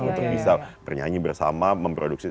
untuk bisa bernyanyi bersama memproduksi